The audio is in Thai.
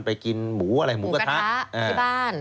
ไปกินหมูอะไรหมูกระทะที่บ้าน